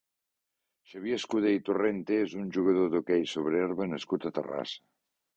Xavier Escudé i Torrente és un jugador d'hoquei sobre herba nascut a Terrassa.